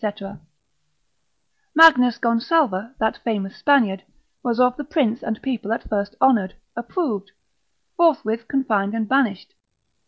Magnus Gonsalva, that famous Spaniard, was of the prince and people at first honoured, approved; forthwith confined and banished.